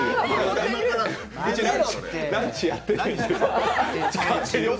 ランチやってないです。